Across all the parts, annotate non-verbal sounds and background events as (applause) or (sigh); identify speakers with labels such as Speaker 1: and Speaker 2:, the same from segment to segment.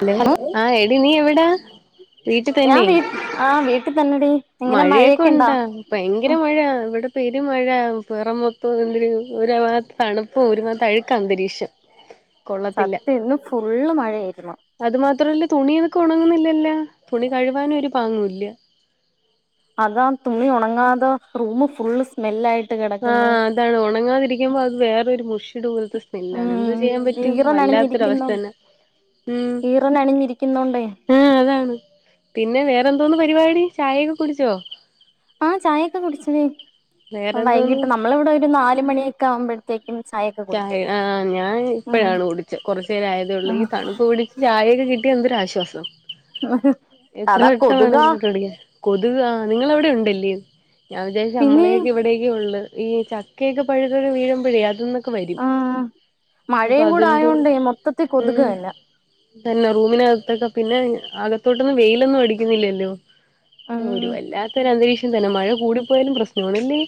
Speaker 1: Hello ആഹ് എടി നീ എവിടാ വീട്ടി തന്നെ
Speaker 2: ആഹ് വീട്ടിൽ തന്നേടി
Speaker 1: മഴയൊക്കെ ഉണ്ടാ ഭയങ്കര മഴ ഇവിടെ പെരുമഴ പുറ മൊത്തം എന് ഓരോ ഭത്ത് തണുപ്പും ഒരുമാത അഴുക്ക അന്തരീക്ഷം കൊള്ളത്തില്ല
Speaker 2: സത്യം ഇന്ന് ഫുള്ള് മഴയായിരുന്നു
Speaker 1: അത് മാത്രല്ല തുണിതൊക്കെ ഉണങ്ങുന്നില്ലല്ല തുണി കഴുവാനും ഒരു പാങ്ങുംല്ല
Speaker 2: അതാ തുണി ഉണങ്ങാതെ റൂമ് ഫുള് സ്മെല്ലായിട്ട്
Speaker 1: ആ
Speaker 2: കിടക്കുന്നു
Speaker 1: അതാണ് ഉണങ്ങാതിരിക്ക്പോ അത് വേറെൊരു മുഷിട് പോലത്തെ മെല്ലാണ് എന്ത്
Speaker 2: ഉം
Speaker 1: ചെയ്യാൻ പറ്റും
Speaker 2: ഈറനണിഞ്ഞിരിക്കുന്നു
Speaker 1: വല്ലാത്തൊരവസ്ഥ തന്നെ ഉം
Speaker 2: ഈറനണിഞ്ഞിരിക്കുന്നോണ്ടേ
Speaker 1: ആഹ് അതാണ് പിന്നെ വേറെ എന്തോന്ന് പരിപാടി ചായയൊക്കെ കുടിച്ചോ
Speaker 2: ആഹ് ചായയൊക്കെ കുടിച്ചടി
Speaker 1: വേറെന്തോന്ന്
Speaker 2: വൈകീട്ട് നമ്മള ഇവിടെ ഒരു നാല് മണിയൊക്കെ ആവുമ്പോ കേക്കും ചായൊക്കെ
Speaker 1: ചായ ആഹ് ഞാൻ ഇപ്പോഴാണ് കുടിച്ചേ കുറച്ചു നേരെ ആയതേഉള്ളൂ ഈ
Speaker 2: ഉം
Speaker 1: തണുപ്പ് പിടി ചായയൊക്കെ കിട്ടിയ എന്തൊരുരാശ്വാസം എത്ര
Speaker 2: അതാ കൊതുകാ
Speaker 1: വട്ടംമാേണെങ്കിലും ഇട്ടുടിക്ക കൊതുക് ആഹ് നിങ്ങവിടെ ഉണ്ടല്ലിയോ ഞാൻ വിചാ
Speaker 2: പിന്നെ
Speaker 1: നമ്മളെ ഇവിടേക്ക ഉള്ള് ഈ ചക്കയൊക്കെ പഴുകൽ വീഴുമ്പോഴേ അതന്നൊക്കെ വരും
Speaker 2: ഉം
Speaker 1: അപ്പൊ
Speaker 2: മഴയും കൂടെ ആയോണ്ടെ മൊത്തത്തി കൊതുക് തന്നെ
Speaker 1: ഇതന്നെ റൂമിനകത്തൊ ഒക്കെ പിന്നെ അകത്തോട്ടൊന്നും വെയിലൊന്നും അടിക്കുന്നില്ലല്ലോ ഒരു
Speaker 2: ഉം
Speaker 1: വല്ലാത്ത ഒരു അന്തരീക്ഷം തന്നെ മഴ കൂടിപ്പോയാലും പ്രശ്നണല്ലി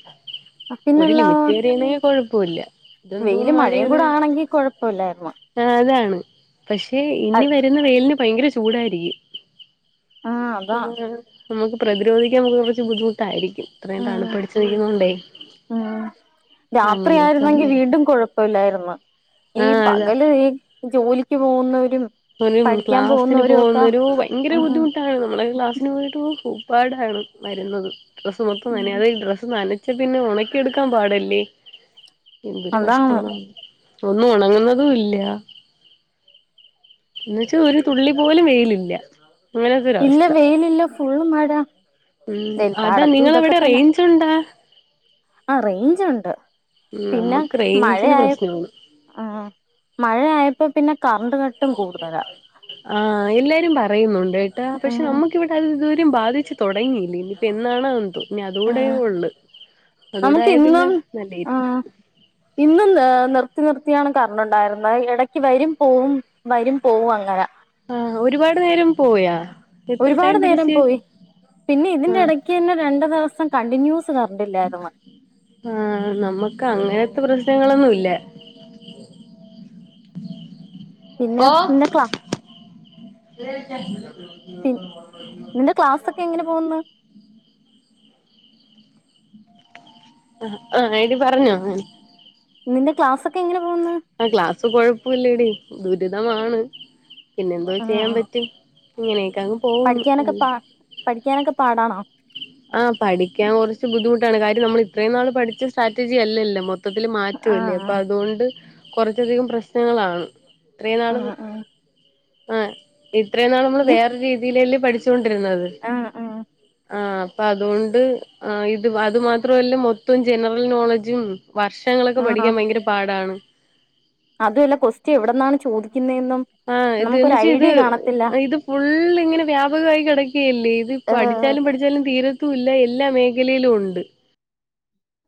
Speaker 1: ഒരു
Speaker 2: പിന്നെല്ലാ
Speaker 1: ലിമിറ്റ് വരെയണെങ്കിൽ കൊഴപ്പോല്ല
Speaker 2: വെയ്ലും മഴയും കൂടെ ആണെങ്കി കുഴപ്പല്ലായിരുന്നു
Speaker 1: ആഹ് അതാണ് പക്ഷെ ഇനി വരുന്ന വെയ്ലിന് ഭയങ്കര
Speaker 2: ആ അതാ
Speaker 1: ചൂടായിരിക്കും നമുക്ക് പ്രതിരോധിക്കാൻ കുറച്ച് ബുദ്ധിമുട്ടായിരിക്കും അത്രയും
Speaker 2: ഉം
Speaker 1: തണുപ്പടിച്ചു നിക്കുന്നുണ്ടേ
Speaker 2: ഉം
Speaker 1: അങ്ങനെയക്കുള്ള
Speaker 2: ഴില്ലായിരുന്നു ഈ
Speaker 1: അതാ
Speaker 2: പകല് ഈ ജോലിക്ക് പോകുന്നവരും
Speaker 1: ഓരും
Speaker 2: പഠിക്കാൻ
Speaker 1: ക്ലാസ്സിന്
Speaker 2: പോകുന്നവരും
Speaker 1: പോകുന്ന
Speaker 2: ഒക്കെ
Speaker 1: ഒരു ഭയങ്കര
Speaker 2: ഉം
Speaker 1: ബുദ്ധിമുട്ടാണ് നമ്മള ക്ലാസ് ക്ലാസ്സിനു പോയിട്ട് ഭൂപ്പാടാണ് വരുന്നത് ഡ്രസ്സ് മൊത്തം തനെ
Speaker 2: ഉം
Speaker 1: അതെ ഈ ഡ്രസ്സ് നനഞ് ച്ചെപിന്നെ ഉണക്കിയെടുക്കാൻ പാടല്ലേ എന്തൊരു
Speaker 2: അതാണ്
Speaker 1: കഷ്ടമാണ് എ ഒന്നും ഉണങ്ങുന്നതും ഇല്ല എന്ന് വെച്ചാ ഒരു തുള്ളി പോലും വെയിലില്ല അങ്ങനത്തെ ഒരു
Speaker 2: ഇല്ല
Speaker 1: അവസ്ഥ
Speaker 2: വെയിലില്ല ഫുള്ള് മഴ
Speaker 1: ഉം അതാ
Speaker 2: എല്ലായിടത്തും
Speaker 1: നിങ്ങളവിടെ റേഞ്ച് ഉണ്ട
Speaker 2: ആഹ് റേഞ്ച് ഉണ്ട് പിന്നെ
Speaker 1: നമ്മക്ക് റേഞ്ചിന്
Speaker 2: മഴയായ
Speaker 1: പ്രശ്നമാണ്
Speaker 2: ആഹ് മഴയായപ്പോ പിന്നെ കറണ്ട് കട്ടും കൂടുതലാ
Speaker 1: ആഹ് എല്ലാരും പറയുന്നുണ്ട് ഏട്ടാ പക്ഷെ
Speaker 2: ഉം
Speaker 1: നമുക്ക് റ്റുടെ അത് ഇതുവരും ബാധിച്ച് തുടങ്ങിയില്ല ഇനി ഇപ്പൊ എന്നാണ് എന്തോ പിന്നെ അതുടെ ഉള്ള് അതൂടെ
Speaker 2: നമുക്ക്
Speaker 1: ആയ പിന്നെ
Speaker 2: ഇന്നും
Speaker 1: നല്ലയിരിക്കും
Speaker 2: ഉം ഇന്നും നിർത്തി നിർത്തിയാണ് കറന്റ് ഉണ്ടായിരുന്നെ ഇടക്ക് വരും പോവും വരും പോവും അങ്ങനെ
Speaker 1: ആഹ് ഒരുപാട് നേരം പോയാ എത്ര
Speaker 2: ഒരുപാട്
Speaker 1: ടൈം
Speaker 2: നേരം
Speaker 1: പിടിച്ച്
Speaker 2: പോയി പിന്നെ ഇതിന്റെ
Speaker 1: ആഹ്
Speaker 2: ഇടക്ക് ക്ക് തന്നെ രണ്ടു ദിവസം കണ്ടിന്യൂസ് കറൻ്റ് ഇല്ലായിരുന്നു
Speaker 1: ആഹ് നമ്മക്ക് അങ്ങനത്തെ പ്രശ്നങ്ങളൊന്നും ഇല്ല
Speaker 2: പിന്നെ
Speaker 1: (inaudible) ഓ
Speaker 2: നിന്റെ ക്ലാ നിന്റെ ക്ലാസ് ഒക്കെ എങ്ങനെ പോകുന്നു
Speaker 1: ആഹ് ആഹ് എടി പറഞ്ഞോ അ
Speaker 2: നിന്റെ ക്ലാസ്സൊക്കെ എങ്ങനെ പോകുന്ന്
Speaker 1: ആഹ് ക്ലാസ് കൊഴപ്പില്ലടി ദുരിതമാണ് പിന്നെന്തോ ചെയ്യാൻ
Speaker 2: ഉം
Speaker 1: പറ്റി ഇങ്ങനെയക്കങ്ങ്
Speaker 2: പഠിക്കാനൊക്കെ പാ പഠിക്കാനൊക്കെ പാടാണോ
Speaker 1: ആഹ് പഠിക്കാൻ കൊറച്ച് ബുദ്ധിമുട്ടാണ് കാര്യം നമ്മള് ഇത്രയും നാള് പഠിച്ച സ്ട്രാറ്റജി അല്ലല്ലോ മൊ ത്തത്തില്
Speaker 2: ആ
Speaker 1: മാറ്റവില്ലേ അപ്പൊ അതുകൊണ്ട് കൊറച്ചധികം പ്രശ്നങ്ങളാണ് ഇത്രയും
Speaker 2: ആ
Speaker 1: നാളും ആഹ് ഇത്രയും നാള് നമ്മള്
Speaker 2: നീ
Speaker 1: വേറൊരു രീതിയിലല്ലെ പഠി പഠിച്ചോണ്ടിരുന്നത്
Speaker 2: ആ ആ
Speaker 1: ആഹ് അപ്പ അതുകൊണ്ട് ആഹ് ഇത് അത് മാത്രല്ല മൊത്തം ജനറൽ നോളജും വർഷങ്ങളൊക്കെ പഠിക്കാൻ ഭയങ്കര പാടാണ്
Speaker 2: അതുവല്ല ക്വസ്റ്റ എവിടന്നാണ് ചോദിക്കുന്നതേന്നും
Speaker 1: ആഹ് ഇത്‌ന്ന് വെച്ചാ ഇത് ഇത് ഫുള്ള് ഇങ്ങനെ വ്യാപകമായി കെടക്കുകയല്ലേ ഇത് പഠിച്ചാലും പഠിച്ചാലും തീര ത്തുവില്ല എല്ലാ മേഖലയിലും ഉണ്ട്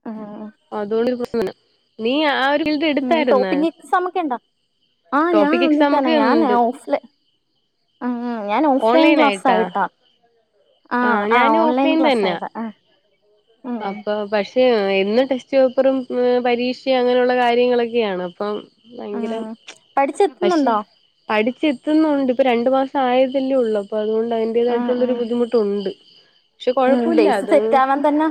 Speaker 2: ആഹ് ആഹ്
Speaker 1: അതുകൊണ്ട്പ്പ സുനം നീ ആരു ത് എടുത്താരുന്ന്
Speaker 2: ടോപ്പിക് എക്സാം ഒക്കെ ഉണ്ടോ ആഹ് ഞാൻ
Speaker 1: ടോപ്പിക്
Speaker 2: അതിൽ തന്നെ
Speaker 1: എക്സാമൊക്കെ
Speaker 2: ഞാൻ
Speaker 1: ഇണ്ട്
Speaker 2: ഓഫ്‌ലൈ ആഹ് ഞാൻ ഓഫ്‌ലൈൻ ക്ലാസ്
Speaker 1: ഓൺലൈനായിട്ടാ
Speaker 2: ആയിട്ടാ
Speaker 1: ആഹ് ഞാന് ഓഫ്
Speaker 2: ഓൺലൈൻ
Speaker 1: ലൈൻ
Speaker 2: ക്ലാസ്
Speaker 1: തന്നാ
Speaker 2: ആയിട്ടാ ആഹ് ഉം
Speaker 1: അപ്പൊ പക്ഷെ എന്ന് ടെസ്റ്റ് പേപ്പറും ഉം പരീക്ഷയും അങ്ങനെയുള്ള കാര്യങ്ങളൊക്കെയാണ് അപ്പം
Speaker 2: ഉം
Speaker 1: ഭയങ്കരം പക്ഷെ
Speaker 2: പഠിച്ചെത്തുന്നുണ്ടോ
Speaker 1: പഠിച്ചെത്തുന്നുണ്ട് ഇപ്പൊ രണ്ട് മാസം ആയതല്ലേള്ളൂ അപ്പൊ അതുകൊണ്ട്
Speaker 2: ഉം
Speaker 1: അതിന്റേതായിട്ടുള്ളൊരു
Speaker 2: ഉം
Speaker 1: ബുദ്ധിമുട്ടുണ്ട് (unintelligible)
Speaker 2: ഉം
Speaker 1: കൊഴപ്പല്ല
Speaker 2: ബെയ്സ്
Speaker 1: അത്
Speaker 2: സെറ്റാവാൻ തന്നെ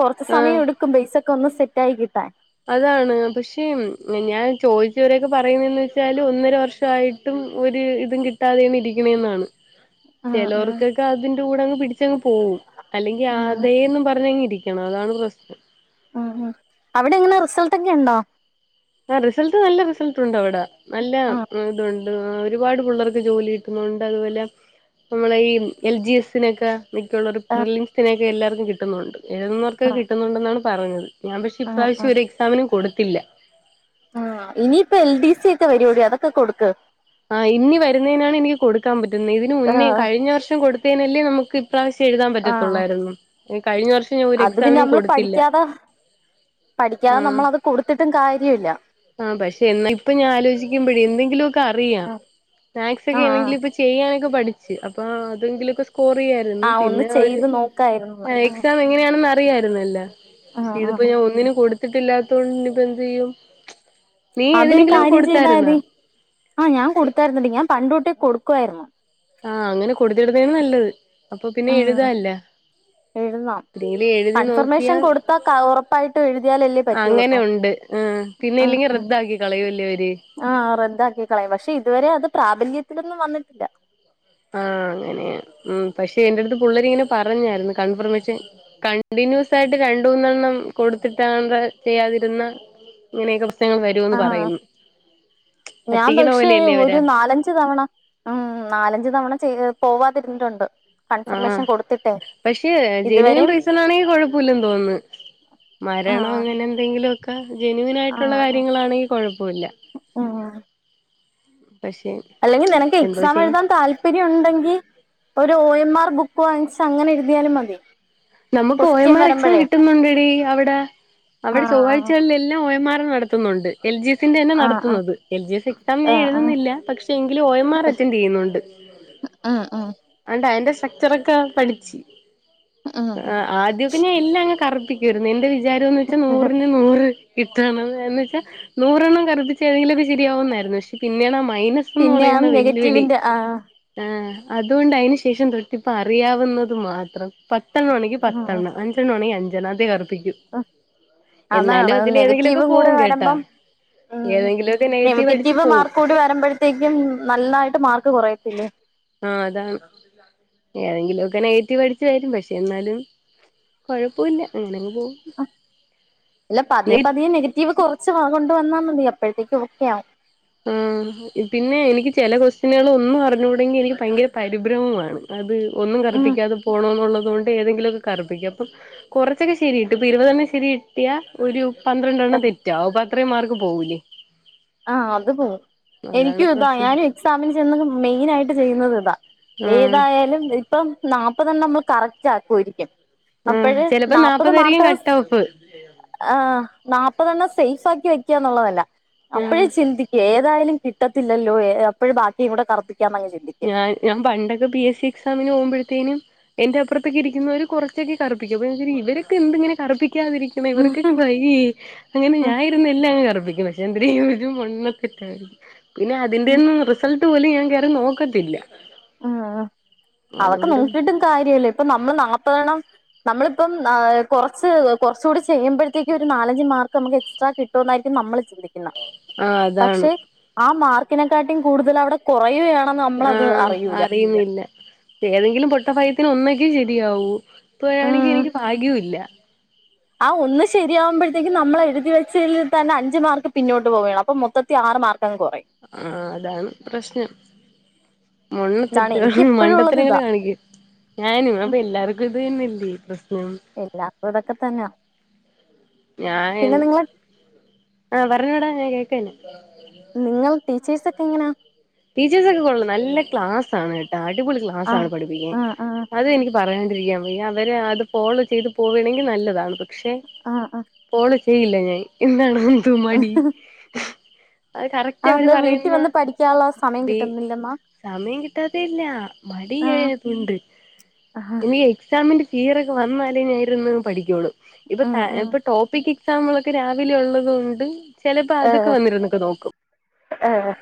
Speaker 2: കൊറച്ച്‌
Speaker 1: ആഹ്
Speaker 2: സമയം എടുക്കും ബെയ്സൊക്കെ ഒന്ന് സെറ്റായി കിട്ടാൻ
Speaker 1: അതാണ് പക്ഷെ ഞാൻ ചോദിച്ചവരൊക്കെ പറയുന്നേന്ന് വെച്ചാല് ഒന്നര വർഷായി ട്ടും ഒരു ഇതും കിട്ടാതെ ആണ് ഇരിക്കണേന്നാണ്
Speaker 2: ആഹ് ആഹ്
Speaker 1: ചെലോർക്കൊക്കെ അതിന്റെ കൂടങ്ങ് പിടിച്ചങ്ങ് പോവും അല്ലെങ്കി
Speaker 2: ഉം
Speaker 1: അതേന്നും പറഞ്ഞങ്ങരി ക്കണം അതാണ് പ്രശ്നം
Speaker 2: ഉം ഉം അവിടെങ്ങനെ റിസൾട്ടൊക്കെണ്ടോ
Speaker 1: ആഹ് റിസൽട്ട് നല്ല റിസൽട്ടുണ്ട് അവിടെ നല്ല
Speaker 2: ആഹ്
Speaker 1: ഇതു ണ്ട് ഒരുപാട് പിള്ളേർക്ക് ജോലി കിട്ടുന്നുണ്ട് അതുപോലെ നമ്മളെ ഈ എൽ ജി എസ്സിനൊക്കെ മിക്കള്ളൊരു പ്രിലിംസിനൊക്കെ എല്ലാർക്കും കിട്ടുന്നുണ്ട് എഴുതുന്നോർക്കൊക്കെ
Speaker 2: ആഹ്
Speaker 1: കിട്ടുന്നുണ്ടെന്നാണ് പറഞ്ഞത് ഞാൻ പക്ഷെ
Speaker 2: ആഹ്
Speaker 1: ഇപ്രാവശ്യം
Speaker 2: ആഹ്
Speaker 1: ഒരു എക്സാമിനും കൊടുത്തില്ല
Speaker 2: ആഹ് ഇനിയിപ്പൊ എൽ ഡി സി ഒക്കെ വരൂടി അതൊക്കെ കൊട്ക്ക്
Speaker 1: ആഹ് ഇന്നി വരുന്നേനാണ് എനി കൊടു ക്കാൻ പറ്റുന്നെ ഇതിന് മുന്നേം
Speaker 2: ആഹ്
Speaker 1: കഴിഞ്ഞ വർഷം കൊടുത്തേനല്ലേ നമുക്ക് ഇപ്രാവശ്യം എഴുതാൻ
Speaker 2: ആഹ്
Speaker 1: പറ്റത്തൊള്ളായിരുന്നു ഈ കഴിഞ്ഞ വർഷം ഞാൻ ഒരു
Speaker 2: അത് പിന്നെ
Speaker 1: എക്സാമിനും
Speaker 2: നമ്മള്
Speaker 1: കൊടുത്തില്ല
Speaker 2: പഠിക്യാതെ പഠിക്യാതെ
Speaker 1: ആഹ്
Speaker 2: നമ്മളത് കൊടുത്തിട്ടും കാര്യല്ല
Speaker 1: ആഹ് പക്ഷെ എന്നാ ഇപ്പൊ ഞാൻ ആലോചിക്കുമ്പഴേ എന്തെങ്കിലൊക്കെ അറിയാം
Speaker 2: ആഹ്
Speaker 1: മാക്സൊക്കെ
Speaker 2: ആഹ്
Speaker 1: ആണെങ്കില് ഇപ്പ ചെയ്യാനൊക്കെ പഠിച്ച് അപ്പൊ അതെങ്കിലൊക്കെ സ്കോറെയ്യാ രുന്ന്
Speaker 2: ആഹ് ഒന്ന്
Speaker 1: പിന്നാ ഒര്
Speaker 2: ചെയ്ത് നോക്കായിരുന്നുന്ന്
Speaker 1: ഏഹ്
Speaker 2: ആഹ്
Speaker 1: എക്സാമ് എങ്ങനെയാണെന്ന് അ റിയിരുന്നല്ലൊ പക്ഷെ
Speaker 2: ആഹ്
Speaker 1: ഇതിപ്പോ
Speaker 2: ആഹ്
Speaker 1: ഞാൻ ഒന്നിനും കൊടുത്തിട്ടില്ലാത്തോണ്ട് ഇപ്പ എന്തെയ്യും
Speaker 2: അതൊരു കാര്യം
Speaker 1: കൊടുത്തായിരുന്നാ
Speaker 2: ചെയ്താതി ആഹ് ഞാൻ കൊടുത്തായിര്ന്നടീ ഞാൻ പണ്ട് തൊട്ടേ കൊടുക്കുവായിരുന്നു
Speaker 1: ആഹ് അങ്ങനെ കൊടുത്തിടുന്നേണ് നല്ലത് അപ്പൊ പിന്നെ
Speaker 2: ആഹ്
Speaker 1: എഴുതാല്ലാ
Speaker 2: എഴുതാം
Speaker 1: (unintelligible) ഇങ്ങനെ എഴുതി നോക്കിയാ
Speaker 2: കൺഫർമേഷൻ കൊടുത്താ ക ഉറപ്പായിട്ടും എഴുതിയാലല്ലേ പറ്റുള്ളൂ ഇപ്പം
Speaker 1: അങ്ങനൊണ്ട് ആഹ് പിന്നെ
Speaker 2: ഉം
Speaker 1: ഇല്ലെങ്കി
Speaker 2: ഉം
Speaker 1: റദ്ദാക്കി കളയല്ലോര്
Speaker 2: ആഹ് റദ്ദാക്കിക്കളയും പക്ഷെ ഇതുവരെ അത് പ്രാബല്യത്തിലൊന്നും വന്നിട്ടില്ല
Speaker 1: ആഹ് അങ്ങനെയാണ് ഉം പക്ഷെ എന്റെടുത്ത് പുള്ളരിങ്ങനെ പറഞ്ഞായ്രുന്നു കൺഫർമേഷൻ കണ്ടിന്യൂസായിട്ട് രണ്ടൂന്നെണ്ണം കൊടുത്തിട്ടാണ്ടാ ചെയ്യാതിരുന്നാ ഇങ്ങനൊക്കെ
Speaker 2: ആഹ് ഞാൻ
Speaker 1: പറ്റിക്കണ
Speaker 2: പക്ഷെ
Speaker 1: പോലെയല്ലേ അവരെ
Speaker 2: ഒരു നാലഞ്ച് തവണ ഉം നാലഞ്ച് തവണ ചെയ് പോവാതിരുന്നിട്ടുണ്ട്
Speaker 1: ആഹ്
Speaker 2: കൺഫർമേഷൻ കൊടുത്തിട്ടെ
Speaker 1: പക്ഷേ ജെനുവിൻ
Speaker 2: ഇതുവരെയും
Speaker 1: റീസണാണെങ്കി കൊഴപ്പില്ലെന്ന് തോന്ന്ന്ന് മരണോ
Speaker 2: ആഹ്
Speaker 1: അങ്ങനെന്തെങ്കിലൊക്കെ ജെനുവിനായിട്ടുള്ള
Speaker 2: ആഹ്
Speaker 1: കാര്യങ്ങളാണെങ്കി കൊഴപ്പില്ല
Speaker 2: ഉം
Speaker 1: പക്ഷെ
Speaker 2: അല്ലെങ്കി നിനക്ക്
Speaker 1: എന്തോ ചെയ്യാ
Speaker 2: എക്സാമെഴുതാൻ താൽ ല്പര്യൊണ്ടെങ്കി ഒരു ഒ എം ആർ ബുക്ക് വാങ്ങിച്ച് അങ്ങനെ എഴുതിയാലും മതി
Speaker 1: നമുക്ക് O M
Speaker 2: question
Speaker 1: R exam
Speaker 2: വരുമ്പഴേ
Speaker 1: കിട്ടുന്നുണ്ടെടീ അവിടെ അവര്
Speaker 2: ആഹ്
Speaker 1: ചൊവ്വാഴ്ചകളിലെല്ലാം ഓ എം ആറ് നടത്തുന്നുണ്ട് എൽ ജി എസിന്റെന്നെ
Speaker 2: ആഹ്
Speaker 1: നടത്തുന്നത് എൽ ജി എസ് എക്സാം
Speaker 2: ആഹ്
Speaker 1: ഞാൻ
Speaker 2: ആഹ് ആഹ്
Speaker 1: എഴുതുന്നില്ല പക്ഷെ എങ്കിലും ഒ എം ആർ അറ്റൻഡെയ്യുന്നുണ്ട്
Speaker 2: ഉം ഉം
Speaker 1: ആണ്ടാ ഐന്റെ സ്ട്രക്ചറൊക്കെ പഠിച്ച്
Speaker 2: ഉം ഉം
Speaker 1: ആദ്യൊക്കെ ഞാൻ എല്ലാങ്ങ് കറ്പ്പി ക്കാര്ന്ന് എന്റെ വിചാരംന്ന് വെച്ചാ നൂറിന് നൂറ് കിട്ടണം എന്ന് വെച്ചാ നൂറെണ്ണം കറുപ്പിച്ച ഏന്തെങ്കിലും ശരിയാവുന്നായിരുന്നു പക്ഷെ പിന്നെയാണ് ആ മൈനസ് ന്ന്
Speaker 2: പിന്നെ ആ
Speaker 1: പറയുന്ന വെല്ലുവിളി
Speaker 2: നെഗറ്റീവിന്റെ ആഹ്
Speaker 1: ആഹ് അതോണ്ട് ഐനു ശേഷം തൊട്ടിപ്പ അറിയാവുന്നത് മാത്രം പത്തെണ്ണാണെങ്കി
Speaker 2: ഉം
Speaker 1: പത്തെണ്ണം അഞ്ചെണ്ണാണെങ്കി അഞ്ചെണ്ണം അതെ ഒറപ്പിക്കൂ
Speaker 2: അതാണ്
Speaker 1: ഏതെങ്കിലുമൊക്കെ
Speaker 2: നെഗറ്റീവും കൂടെ
Speaker 1: പോവും കേട്ടാ
Speaker 2: വരമ്പം ഉം
Speaker 1: ഏതെങ്കിലുമൊക്കെ അടിച്ച്
Speaker 2: നെഗറ്റീവ്
Speaker 1: പോവും
Speaker 2: മാർക്ക് കൂടി വരുമ്പഴത്തേക്കും നന്നായിട്ട് മാർക്ക് കൊറയത്തില്ലേ
Speaker 1: ആഹ് അതാണ് ഏതെങ്കിലൊക്കെ നെഗറ്റീവ് അടിച്ച് തരും പക്ഷെ എന്നാലും കൊഴപ്പുല്ല അങ്ങനെങ്ങ് പോവും
Speaker 2: ഇല്ല പതിയെ പതിയെ നെഗറ്റീവ് കൊർച്ച് കൊണ്ട് വന്നാ മതി അപ്പഴ്ത്തേക്ക് ഓക്കെയാവും
Speaker 1: ഉം പിന്നെ എനിക്ക് ചെല ക്വസ്റ്റ്യനുകൾ ഒന്നും അറിഞ്ഞൂടെങ്കി എനിക്ക് ഭയങ്കര പരിഭ്രമ മാണ് അത് ഒന്നും
Speaker 2: ഉം
Speaker 1: കറുപ്പിക്കാതെ പോണോന്നുള്ളതുകൊണ്ട് ഏതെങ്കിലൊക്ക കർപ്പിക്ക അപ്പം കൊറച്ചൊക്കെ ശെരീട്ട് ഇപ്പൊ ഇരുപതെണ്ണം ശെരി കിട്ടിയ ഒരു പന്ത്രണ്ടെണ്ണം തെറ്റാവും അപ്പൊ അത്രയും മാർക്ക് പോകൂലേ
Speaker 2: ആഹ് അത് പോം
Speaker 1: അതാണ്
Speaker 2: എനിക്കും ഇതാ
Speaker 1: പ്രശ്നം
Speaker 2: ഞാനും എക്സാമിന് ചെന്ന് മെയിനായിട്ട് ചെയ്യുന്നത് ഇതാ
Speaker 1: ആഹ്
Speaker 2: ഏതായാലും ഇപ്പം നാപ്പതെണ്ണം നമ്മള് കറക്റ്റാക്കു ആരിക്കും
Speaker 1: ആഹ്
Speaker 2: അപ്പഴ്
Speaker 1: ചിലപ്പോ
Speaker 2: നാപ്പത്
Speaker 1: നാപ്പതായിരിക്കും
Speaker 2: മാർക്ക സ്
Speaker 1: കട്ട് ഓഫ്
Speaker 2: ആഹ് നാപ്പതെണ്ണം സേഫ് ആക്കി വെക്ക എന്നുള്ളതല്ല
Speaker 1: ആഹ്
Speaker 2: അപ്പഴേ ചിന്തി ഏതായാലും കിട്ടത്തില്ലല്ലോ ഏ അപ്പഴ് ബാക്കീകൂടെ കറുപ്പിക്കാന്നങ് ചിന്തി
Speaker 1: ഞാൻ ഞാൻ പണ്ടൊക്കെ പി എസ് സി എക്സാമിനു പോമ്പഴ്ത്തേന് എന്റെ അപ്പുറത്തേക്ക് ഇരിക്കുന്നവര് കൊറച്ചൊക്കെ കറുപ്പിക്കും അപ്പ ഞാ ച്ചിരി ഇവരൊക്കെ എന്ത് ഇങ്ങന കറുപ്പിക്കാതിരി കറപ്പിക്കാതിരി ദൈവമേ ഇവർകക്ക് വയ്യ് യ്യേ അങ്ങനെ ഞാ ഇരുന്നു എല്ലാം അങ്ങ് കർപ്പിക്കും പക്ഷെ എന്തരേയും ഒരു മൊണ്ണ തെക്കാര് പിന്നെ അതിന്റെന്നും റിസൾട്ട് പോലും ഞാൻ കയറി നോക്കത്തില്ല
Speaker 2: ആഹ് ആ അതൊക്കെ
Speaker 1: അതുകൊണ്ട്
Speaker 2: നോക്കീട്ടും കാര്യില്ല ഇപ്പം നമ്മള് നാപ്പതെണം നമ്മളിപ്പം ആ കൊറച്ച് കൊറച്ചുകൂടി ചെയ്യുംമ്പഴ്ത്തേക്കും ഒരു നാലഞ്ച് മാർക്ക് നമുക്ക് എക്സ്ട്രാ കിട്ടൂന്നായിരിക്കും നമ്മള് ചിന്തിക്കുന്ന
Speaker 1: ആഹ് അതാണ്
Speaker 2: പക്ഷെ ആ മാർക്കിനെക്കാട്ടീം കൂടുതൽ അവിടെ കൊറയുകയാണെന്ന് നമ്മളത്
Speaker 1: ആഹ്
Speaker 2: അറി
Speaker 1: അറിയുന്നില്ല ഏതെങ്കിലും പൊട്ടഭാഗൃത്തിന് ഒന്നെങ്കി ശരിയാവൂ ഇപ്പൊ
Speaker 2: ഉം
Speaker 1: ആണെങ്കി എനിക്ക് ഭാഗ്യോ ഇല്ല
Speaker 2: ആ ഒന്ന് ശരിയാവുംമ്പഴ്ത്തേക്കും നമ്മളെഴുതി വെച്ചേൽ തന്നെ അഞ്ച് മാർക്ക് പിന്നോട്ട് പോവയാണ് അപ്പൊ മൊത്തത്തി ആറ് മാർക്ക് ട്ടങ്ങ് കൊറയും
Speaker 1: ആ അതാണ് പ്രശ്നം
Speaker 2: ഇതാണ് എനിക്ക്
Speaker 1: മൊണ്ണത്തെറ്റുകളും
Speaker 2: ഇപ്പോഴും ഉള്ളത്
Speaker 1: മണ്ടത്തെരങ്ങള്
Speaker 2: ഇതാ
Speaker 1: കാണിക്കും ഞാനും അപ്പൊ എല്ലാർക്കും ഇത് തന്നെല്ലേ പ്രശ്നം
Speaker 2: എല്ലാർക്കും ഇതൊക്കെ തന്നാ പിന്ന നിങ്ങള്
Speaker 1: ആഹ് പറഞ്ഞോടാ ഞാൻ കേക്കനെ
Speaker 2: നിങ്ങൾ ടീച്ചേഴ്സക്കെ എങ്ങനാ
Speaker 1: ടീച്ചേഴ്സ് ഒക്ക കൊള്ളാം നല്ല ക്ലാസ്സാണ് കേട്ടാ അടിപൊളി
Speaker 2: ആ
Speaker 1: ക്ലാസാണ് പഠിപ്പിക്കാൻ
Speaker 2: ആ ആ
Speaker 1: അത് എനിക്ക് പറയാണ്ടിരിക്കൻ വയ്യ അവര് അത് ഫോളോ ചെയ്ത് പോവണെങ്കി നല്ലതാണ് പക്ഷെ.
Speaker 2: ആ ആ
Speaker 1: പോള ചെയ്യില്ല ഞാൻ എന്താണ് എന്തു മടി. അത്
Speaker 2: ആഹ് ന്താ വീട്ടി വന്ന് പഠിക്കാലോസ്.
Speaker 1: വീ സമയം കിട്ടാതെയല്ല
Speaker 2: ആ
Speaker 1: മടിയായതുണ്ട്.
Speaker 2: ആ
Speaker 1: എനി എക്സാമിന്റെ ഫിയറൊക്കെ വന്നാലേ ഞര്ന്ന് പഠിക്കോളൂ ഇപ്പ
Speaker 2: ആ
Speaker 1: സ
Speaker 2: ആ
Speaker 1: ഇപ്പ ടോപ്പിക്ക്. സമ്മളൊക്കെ രാവിലെ ഉള്ളത് കൊണ്ട് ചെലപ്പോ അതൊക്കെ വന്നിരുന്നൊക്കെ നോക്കും.
Speaker 2: ആഹ്.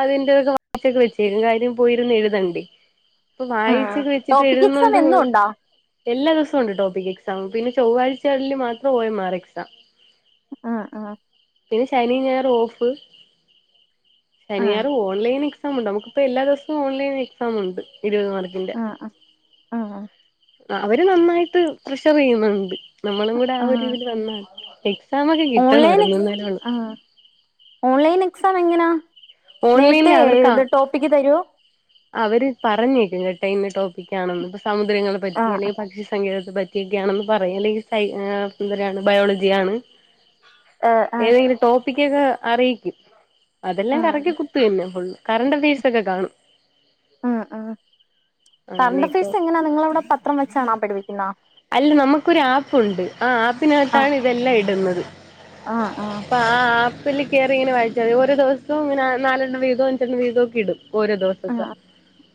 Speaker 1: അതിന്റെ ഒക്കെ വകൊക്കെ വെച്ചേക്കും കാര്യം പോയിരുന്ന് എഴുതണ്ടേ. പ്പൊ
Speaker 2: ആ
Speaker 1: വായിച്ചൊക്കെ വെച്ചിട്ട്
Speaker 2: ടോപ്പിക് എക്സാം
Speaker 1: എഴുതുന്നൊണ്ട്.
Speaker 2: എന്നും ഉണ്ടോ
Speaker 1: എല്ലാ ദിവസു ഉണ്ട് ടോപ്പിക് എക്സാം പിന്നെ ചൊവ്വാഴ്ചകളിൽ മാത്രം ഓയി മാർ എക്സാം.
Speaker 2: ആഹ് ആഹ്.
Speaker 1: പിന്നെ ശനി ഞായർ ഓഫ്.
Speaker 2: ആ
Speaker 1: ശനിയാറും ഓൺലൈൻ എക്സാം ഉണ്ട് നമുക്കിപ്പ എല്ലാ ദിവസവും ഓൺലൈൻ എക്സാം ഉണ്ട് ഇരുപത് മാർക്കിൻ്റെ.
Speaker 2: ആഹ്.
Speaker 1: അ അവര് നന്നായിട്ട് പ്രഷറെയ്യുന്നുണ്ട് നമ്മളുംകൂടെ ആ ഒരുതിൽ വന്നാ ഫെ സമൊക്കെ കിട്ടണ
Speaker 2: ഓൺലൈൻ എക്സ്
Speaker 1: ഒരുങ്ങുന്നേലൊള്ളൂ.
Speaker 2: ആ ഓൺലൈൻ എക്സാം എങ്ങനാ
Speaker 1: ഓൺലൈനിൽ
Speaker 2: നേരത്തെ
Speaker 1: അവർക്ക്
Speaker 2: ത് ടോപ്പിക്ക് തര്യോ.
Speaker 1: അവര് പറഞ്ഞേക്കും കേട്ടെ ഇന്ന് ടോപ്പിക്കാണെന്ന് പ്പ സമുദ്രങ്ങളെ
Speaker 2: ആ
Speaker 1: പറ്റി അല്ലെങ്കിൽ പക്ഷിസങ്കേതത്തെ പ റ്റിയൊക്കെ ആണെന്ന് പറയാ അല്ലെങ്കി സയ് ഏ എന്തപറയാ ബയോളജി ആണ്.
Speaker 2: ഏ ആ
Speaker 1: ഏതെങ്കിലും ടോപ്പിക്കക്കെ അറിയിക്കും
Speaker 2: ആ
Speaker 1: അതെല്ലാം കറക്കി കുത്തുക തന്നെ ഫുള്ള്. കറണ്ട് ഫീസൊക്കെ കാണും.
Speaker 2: ആഹ് ആഹ് കറണ്ട്
Speaker 1: അങ്ങനെയൊക്കെ
Speaker 2: ഫീസ് എങ്ങനാ നിങ്ങളവിട പത്രം വെച്ചാണോ പഠിപ്പിക്കുന്ന.
Speaker 1: അല്ല നമുക്കൊര് ആപ്പുണ്ട് ആ
Speaker 2: ആ
Speaker 1: ആപ്പിനാത്താണ് ഇതെല്ലം ഇടുന്നത്
Speaker 2: ആ ആ ആ
Speaker 1: പാ. ആഹ് ആപ്പിൽ കേറിങ്ങനെ വൽച്ചാതി ഓരോ ദിവസോംങ്ങനെ നാലണ്ണം വീതോ അഞ്ചണ്ണവീതോ ഒക്കെ ഇടും ഓരോ ദിവസ ദ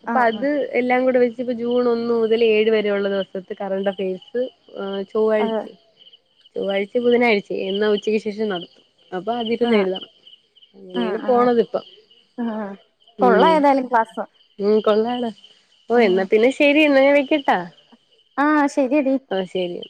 Speaker 2: ആ ആ
Speaker 1: പ്പത് എല്ലാം കൂടെ വെച്ച്പ്പ ജൂൺ ഒന്ന് മുതൽ ഏഴ് വരെയുള്ള ദിവസത്തെ കറണ്ട്. എഴുത്ത് ആ ചൊവ്വാഴ്ച ചൊവ്വാഴ്ച്ചേ ബുധനാഴ്ച്ചേ എന്നാ ഉച്ചയ്ക്ക് ശേഷം നടത്തും. അപ്പ
Speaker 2: ആ ആ
Speaker 1: ആതിക്കന്ന് എഴുതാ. അങ്ങിനെണ്
Speaker 2: ആ
Speaker 1: പോണത്പ്പം
Speaker 2: ആ
Speaker 1: ഉം.
Speaker 2: കൊള്ളാം ഏതായാലും ക്ലാസ്
Speaker 1: ഉം കൊള്ളാലോ ഓ എന്നാ പിന്നെ ശരി എന്നാഞാൻ വെക്ക്യട്ടാ.
Speaker 2: ആഹ് ശര്യടി.
Speaker 1: ആഹ് ശരി.